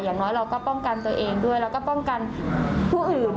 อย่างน้อยเราก็ป้องกันตัวเองด้วยแล้วก็ป้องกันผู้อื่น